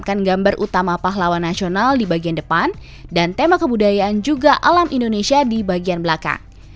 akan gambar utama pahlawan nasional di bagian depan dan tema kebudayaan juga alam indonesia di bagian belakang